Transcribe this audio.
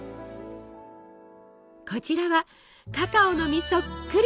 こちらはカカオの実そっくり。